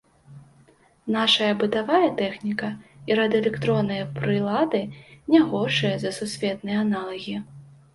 Нашая бытавая тэхніка і радыёэлектронныя прылады не горшыя за сусветныя аналагі.